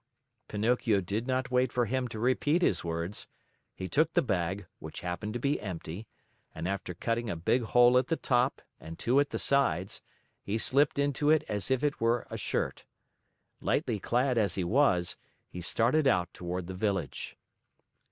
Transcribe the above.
Pinocchio did not wait for him to repeat his words. He took the bag, which happened to be empty, and after cutting a big hole at the top and two at the sides, he slipped into it as if it were a shirt. Lightly clad as he was, he started out toward the village.